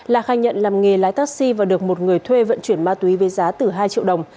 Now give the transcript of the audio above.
là khai nhận làm nghề lái taxi và được một người thuê vận chuyển ma túy với giá từ hai triệu đồng